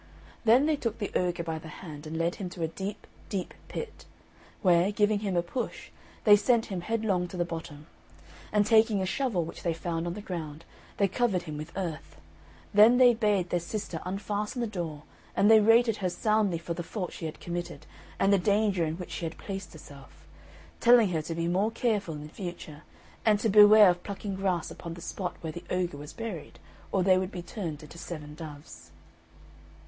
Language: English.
Then they took the ogre by the hand, and led him to a deep, deep pit, where, giving him a push, they sent him headlong to the bottom; and taking a shovel, which they found on the ground, they covered him with earth. Then they bade their sister unfasten the door, and they rated her soundly for the fault she had committed, and the danger in which she had placed herself; telling her to be more careful in future, and to beware of plucking grass upon the spot where the ogre was buried, or they would be turned into seven doves.